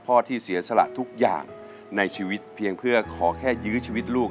ที่เสียสละทุกอย่างในชีวิตเพียงเพื่อขอแค่ยื้อชีวิตลูก